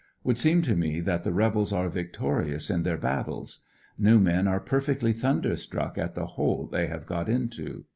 Would seem to me that the rebels are victorious in their battles. New men are perfectly thunderstruck at the hole they have got into.